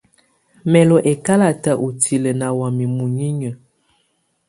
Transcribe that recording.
Mɛ̀ lɔ̀ ɛkalatɛ ùtilǝ̀ nà wamɛ̀ muninyǝ́.